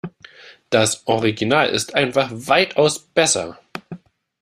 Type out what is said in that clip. Das Original ist einfach weitaus besser.